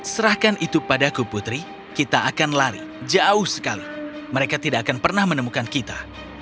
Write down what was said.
serahkan itu padaku putri kita akan lari jauh sekali mereka tidak akan pernah menemukan kita